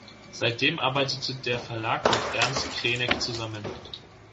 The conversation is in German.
Seitdem arbeitete der Verlag mit Ernst Krenek zusammen.